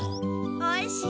おいしい。